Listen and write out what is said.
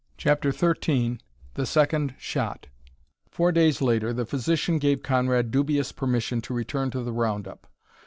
CHAPTER XIII THE SECOND SHOT Four days later the physician gave Conrad dubious permission to return to the round up.